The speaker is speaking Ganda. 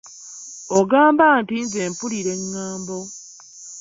Ogamba nti nze mpuliriza eŋŋambo.